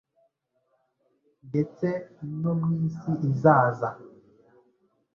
ndetse no mu isi izaza